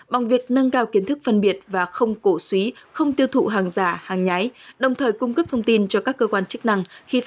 bằng việc nâng cao kiến thức phân biệt và không cổ suý không tiêu thụ hàng giả hàng nhái